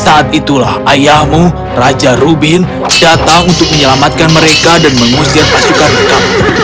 saat itulah ayahmu raja rubin datang untuk menyelamatkan mereka dan mengusir pasukan